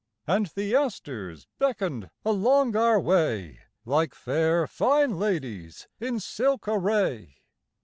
And the asters beckoned along our way Like fair fine ladies in silk array.